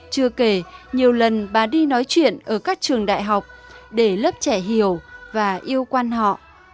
chưa kể nhiều lần bà đi nói chuyện ở các trường đại học để lớp trẻ hiểu và yêu quan họ